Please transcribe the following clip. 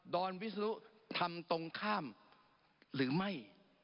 อนวิศนุทำตรงข้ามหรือไม่